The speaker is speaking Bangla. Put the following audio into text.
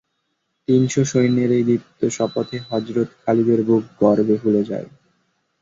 তিনশ সৈন্যের এই দীপ্ত শপথে হযরত খালিদের বুক গর্বে ফুলে যায়।